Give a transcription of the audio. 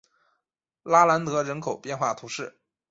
拉兰德人口变化图示